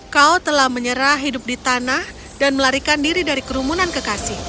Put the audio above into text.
kau telah menyerah hidup di tanah dan melarikan diri dari kerumunan kekasih